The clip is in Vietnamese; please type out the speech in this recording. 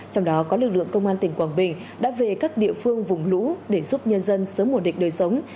trong đó có lực lượng công an tỉnh quảng bình đã về các địa phương vùng lũ để giúp nhân dân sớm ổn định đời sống